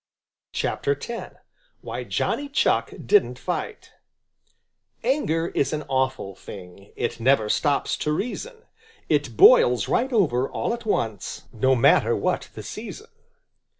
X. WHY JOHNNY CHUCK DIDN'T FIGHT Anger is an awful thing; It never stops to reason. It boils right over all at once, No matter what the season.